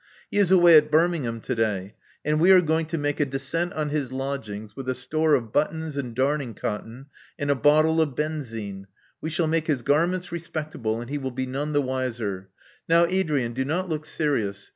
He is away at Birmingham to day; and we are going to make a descent on his lodgings with a store of buttons and darning cotton, and a bottle of benzine. We shall make his garments respectable, and he will be none the wiser. Now, Adrian, do not look serious.